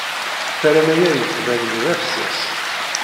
Terram aya yettban-d d afessas.